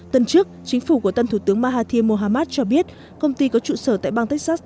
tuần trước chính phủ của tân thủ tướng mahathir mohamad cho biết công ty có trụ sở tại bang texas